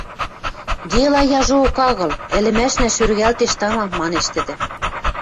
— Дела яжоок агыл, ӹлӹмӓшнӓ шӧргӓлтеш, тама, — манеш тӹдӹ.